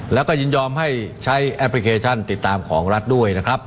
และก็ยืนยอมให้ใช้แอปพลิเคชันติดตามของรัฐด้วย